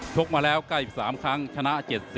กมาแล้ว๙๓ครั้งชนะ๗๐